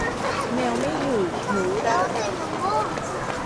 แมวไม่อยู่หนูร่าเริง